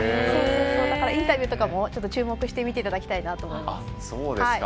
インタビューとかも注目して見ていただきたいなと思います。